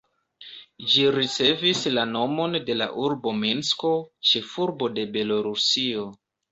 Ĝi ricevis la nomon de la urbo Minsko, ĉefurbo de Belorusio.